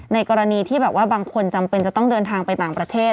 กรณีที่แบบว่าบางคนจำเป็นจะต้องเดินทางไปต่างประเทศ